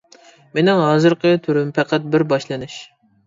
مىنىڭ ھازىرقى تۈرۈم پەقەت بىر باشلىنىش.